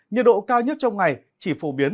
nhiệt độ cao nhất trong ngày chỉ phổ biến